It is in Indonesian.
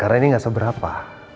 karena ini gak seberapa